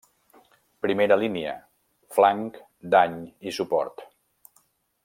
Primera línia, Flanc, Dany i Suport.